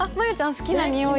好きなにおい？